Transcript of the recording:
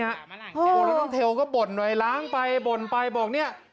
แล้วน้องเทวก็บ่นไปล้างไปบอกฮิ้ง